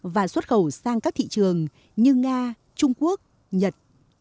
và xuất khẩu sang các thị trường như nga trung quốc nhật